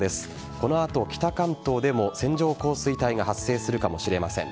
この後、北関東でも線状降水帯が発生するかもしれません。